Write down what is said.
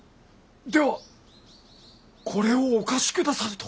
ではこれをお貸しくださると？